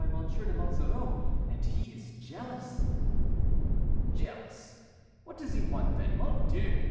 de Monsoreau, and he is jealous." "Jealous! What does he want then? mon Dieu!